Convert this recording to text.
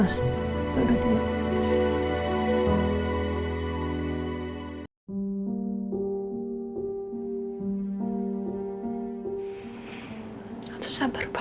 satu dua tiga